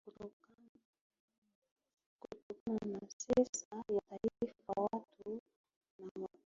Kutokana na sensa ya taifa watu na makazi